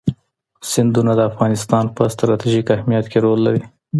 سیندونه د افغانستان په ستراتیژیک اهمیت کې رول لري.